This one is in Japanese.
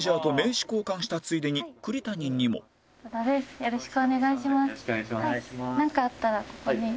よろしくお願いします。